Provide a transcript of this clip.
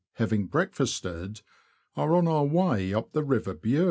having breakfasted, '';^*L are on our way up the river Bure.